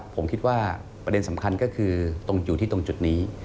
ผมคิดว่าประเด็นสำคัญก็คือตรงอยู่ที่ตรงจุดนี้